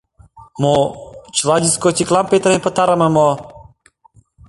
Мо, чыла дискотекылам петырен пытарыме мо?